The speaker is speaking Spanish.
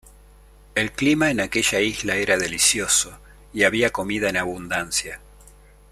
El clima en aquella isla era delicioso, y había comida en abundancia.